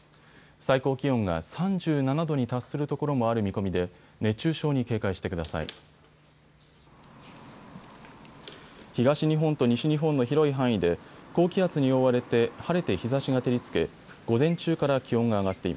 最高気温が３７度に達するところもある見込みで熱中症に警戒してください。